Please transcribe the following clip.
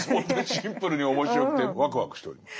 シンプルに面白くてワクワクしております。